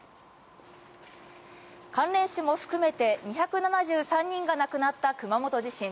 関連死も含めて２７３人が亡くなった熊本地震。